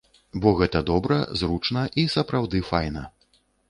Бо гэта добра, зручна і сапраўды файна.